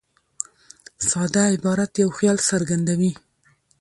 ساده عبارت یو خیال څرګندوي.